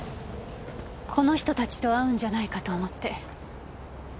この人達と会うんじゃないかと思って。